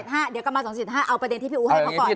เดี๋ยวกลับมา๒๔๕เอาประเด็นที่พี่อู๋ให้เขาก่อน